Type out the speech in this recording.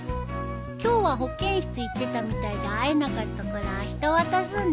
今日は保健室行ってたみたいで会えなかったからあした渡すんだ。